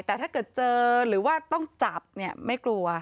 แต่ถ้าเกิดเจอหรือว่าต้องจับเนี่ยไม่กลัว